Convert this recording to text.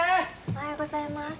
おはようございます。